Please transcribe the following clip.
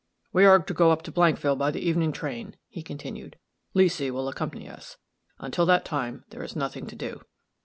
"We are to go up to Blankville by the evening train," he continued. "Leesy will accompany us. Until that time, there is nothing to do."